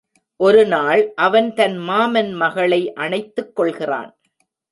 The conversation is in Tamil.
ஒரு நாள் அவன் தன் மாமன் மகளை அணைத்துக் கொள்கிறான்.